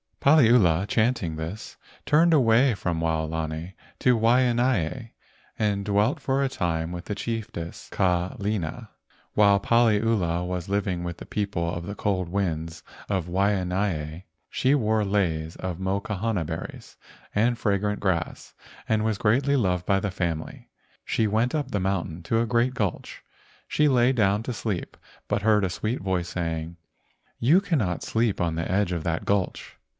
Paliula, chanting this, turned away from Wao¬ lani to Waianae and dwelt for a time with the chiefess Kalena. While Paliula was living with the people of the cold winds of Waianae she wore leis of mokahana berries and fragrant grass, and was greatly loved by the family. She went up the mountain to a great gulch. She lay down to sleep, but heard a sweet voice saying, "You cannot sleep on the edge of that gulch."